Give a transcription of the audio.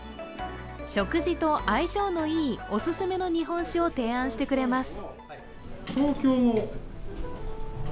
食事と相性のいいお勧めの日本酒を提案してくれます。